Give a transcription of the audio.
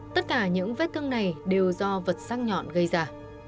tất cả những vết thương này đều do vật sắc nhọn gây ra